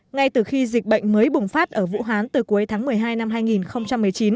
ngay từ khi dịch bệnh mới bùng phát ở vũ hán từ cuối tháng một mươi hai năm hai nghìn một mươi chín